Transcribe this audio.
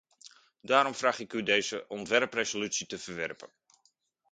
Daarom vraag ik u deze ontwerpresolutie te verwerpen.